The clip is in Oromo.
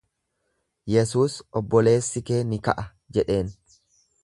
Yesuus, Obboleessi kee ni ka'a jedheen.